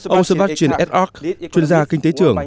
ông subhashin eshkar chuyên gia kinh tế trưởng